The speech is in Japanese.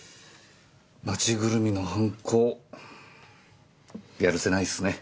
町ぐるみの犯行やるせないっすね。